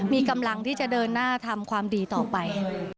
มีกำลังที่จะเดินหน้าทำความดีต่อไป